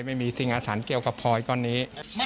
ไม่มีสิ่งอาถรรพ์เกี่ยวกับพลอยก้อนนี้